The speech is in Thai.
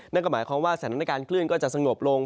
นั่นก็หมายความว่าสถานการณ์คลื่นก็จะสงบลง